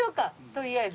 とりあえず。